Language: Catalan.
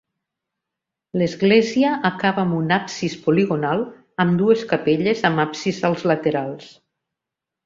L'església acaba amb un absis poligonal, amb dues capelles amb absis als laterals.